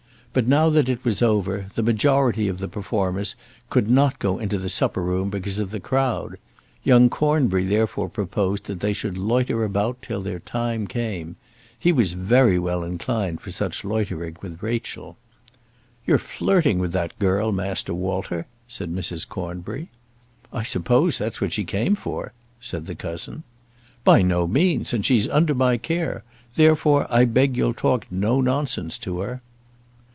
But now that it was over, the majority of the performers could not go into the supper room because of the crowd. Young Cornbury therefore proposed that they should loiter about till their time came. He was very well inclined for such loitering with Rachel. "You're flirting with that girl, Master Walter," said Mrs. Cornbury. "I suppose that's what she came for," said the cousin. "By no means, and she's under my care; therefore I beg you'll talk no nonsense to her."